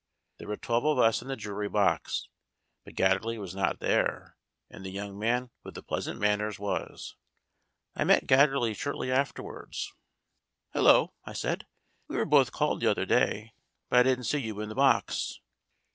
There were twelve of us in the jury box. But Gatterley was not there, and the young man with the pleasant manners was. I met Gatterley shortly afterwards. "Hullo," I said. "We were both called the other day, but I didn't see you in the box."